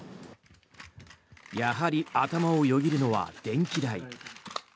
やはり、頭をよぎるのは電気代。